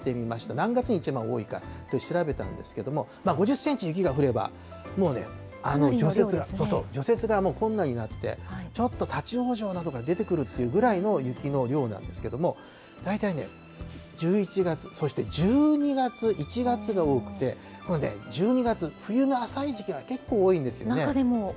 何月が一番多いか、調べたんですけど、５０センチ雪が降れば、もうね、除雪、除雪が困難になって、ちょっと立往生などが出てくるっていうくらいの雪の量なんですけれども、大体ね、１１月、そして１２月、１月が多くて、この１２月、冬の浅い時期って結構多いんですよね。